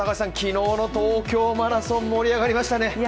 昨日の東京マラソン、盛り上がりましたね。